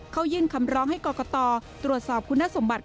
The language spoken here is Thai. เขายื่นคำร้องให้กรกตตรวจสอบคุณสมบัติ